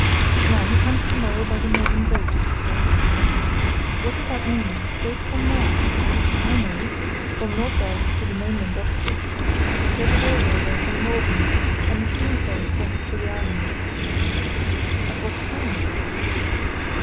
"Now, he comes to morrow by the morning boat, she said. What did that mean? Boat from where?" "I know. From Norddeich on the mainland opposite. There's a railway there from Norden, and a steam ferry crosses to the island." "At what time?"